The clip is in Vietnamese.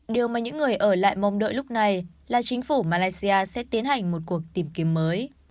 điều mà những người ở lại mong đợi lúc này là chính phủ malaysia sẽ tiến hành một cuộc tìm kiếm mới